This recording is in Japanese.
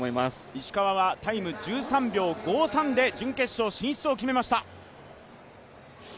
石川はタイム１３秒５３で準決勝進出を決めました。